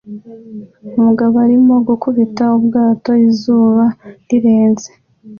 Umugabo arimo gukubita ubwato izuba rirenze